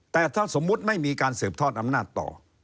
แต่ถ้าสมมุติไม่มีการสืบทอดอำนาจต่อ